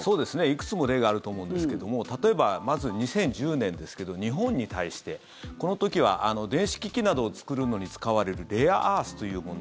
いくつも例があると思うんですが例えば、まず２０１０年ですけど日本に対してこの時は電子機器などを作るのに使われるレアアースというもの。